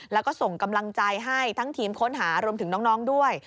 แล้วก็ส่งกำลังใจให้ทั้งทีมค้นหารวมถึงน้องด้วย